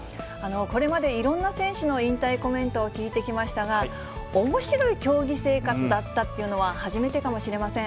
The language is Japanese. これまでいろんな選手の引退コメントを聞いてきましたが、おもしろい競技生活だったっていうのは初めてかもしれません。